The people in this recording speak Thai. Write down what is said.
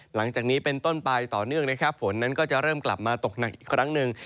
หลังจากนี้เป็นต้นไปต่อเนื่องนะครับฝนนั้นก็จะเริ่มกลับมาตกหนักอีกครั้งหนึ่ง